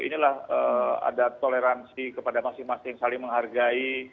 inilah ada toleransi kepada masing masing saling menghargai